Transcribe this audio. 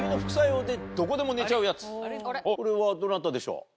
これはどなたでしょう？